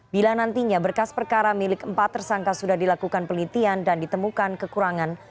bila nantinya berkas perkara milik empat tersangka sudah dilakukan pelitian dan ditemukan kekurangan